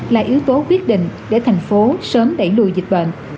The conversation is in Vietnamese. là yếu tố quyết định để thành phố sớm đẩy lùi dịch bệnh